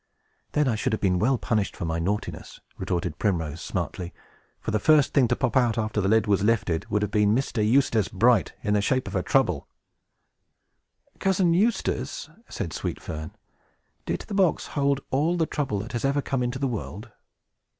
"Then I should have been well punished for my naughtiness," retorted Primrose, smartly; "for the first thing to pop out, after the lid was lifted, would have been Mr. Eustace Bright, in the shape of a Trouble." "Cousin Eustace," said Sweet Fern, "did the box hold all the trouble that has ever come into the world?"